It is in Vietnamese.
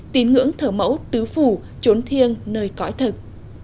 tín ngưỡng thờ mẫu tứ phủ trốn thiêng nơi cõi thực